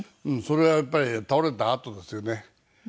それはやっぱり倒れたあとですよね。